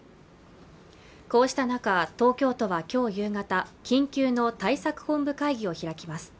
こうした中東京都はきょう夕方緊急の対策本部会議を開きます